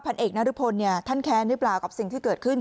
พันธ์เอกนรพลเนี่ยท่านแขนหรือเปล่ากับสิ่งที่เกิดขึ้น